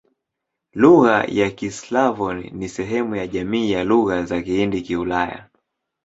Lugha za Kislavoni ni sehemu ya jamii ya Lugha za Kihindi-Kiulaya.